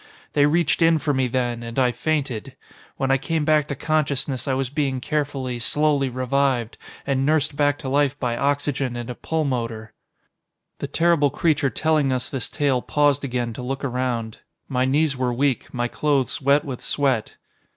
"They reached in for me then, and I fainted. When I came back to consciousness I was being carefully, slowly revived, and nursed back to life by oxygen and a pulmotor." The terrible creature telling us this tale paused again to look around. My knees were weak, my clothes wet with sweat.